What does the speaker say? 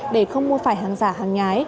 để không mua phải hàng giả hàng nhái